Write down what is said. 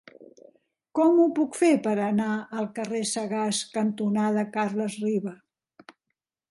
Com ho puc fer per anar al carrer Sagàs cantonada Carles Riba?